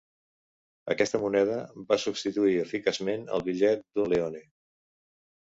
Aquesta moneda va substituir eficaçment el bitllet d'un leone.